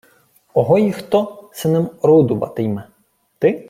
— Огої Хто се ним орудувати-йме? Ти?